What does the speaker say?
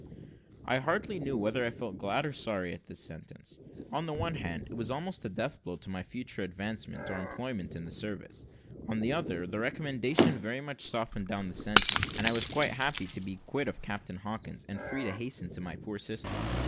I hardly knew whether I felt glad or sorry at this sentence. On the one hand, it was almost a death blow to my future advancement or employment in the service; on the other, the recommendation very much softened down the sentence, and I was quite happy to be quit of Captain Hawkins, and free to hasten to my poor sister.